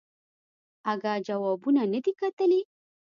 اگه جوابونه ندي کتلي.